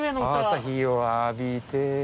朝日を浴びて